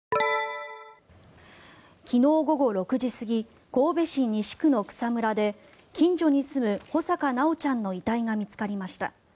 昨日午後６時過ぎ神戸市西区の草むらで近所に住む穂坂修ちゃんの遺体が見つかりました。